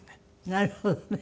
なるほどね。